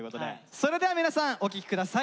それでは皆さんお聴き下さい。